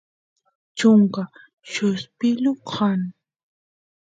chunka lluspilu kan